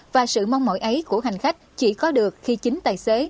và sự mong mỏi ấy của hành khách chỉ có được khi chính tài xế